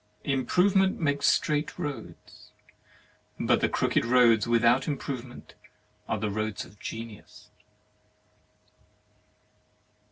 Improvement makes straight roads, but the crooked roads without Improve ment are roads of Genius.